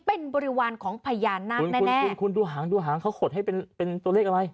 เป็นบริวารของพญานาคแน่แน่คุณคุณดูหางดูหางเขาขดให้เป็นเป็นตัวเลขอะไร